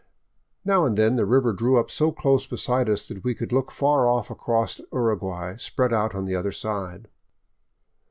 Now and then the river drew up so close beside us that we could look far oif across Uruguay, spread out on the other side.